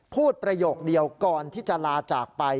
ประโยคเดียวก่อนที่จะลาจากไป